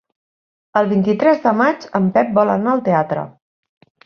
El vint-i-tres de maig en Pep vol anar al teatre.